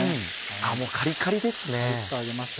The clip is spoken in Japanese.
あっもうカリカリですね。